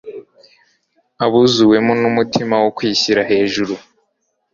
Abuzuwemo n'umutima wo kwishyira hejuru,